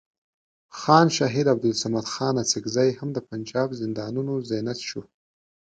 خان شهید عبدالصمد خان اڅکزی هم د پنجاب زندانونو زینت شو.